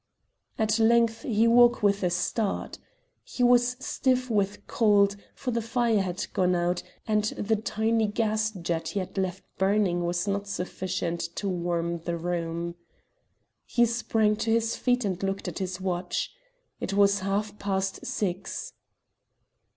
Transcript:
At length he woke with a start. He was stiff with cold, for the fire had gone out, and the tiny gas jet he had left burning was not sufficient to warm the room. He sprang to his feet and looked at his watch. It was half past six.